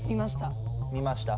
見ました